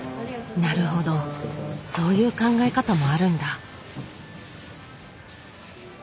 なるほどそういう考え方もあるんだ。